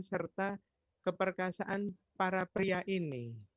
serta keperkasaan para pria ini